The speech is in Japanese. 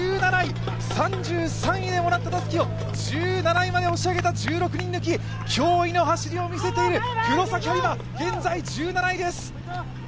３３位でもらったたすきを１７位まで押し上げた１６人抜き驚異の走りを見せている黒崎播磨、現在１７位です。